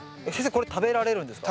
これ食べられるんですか？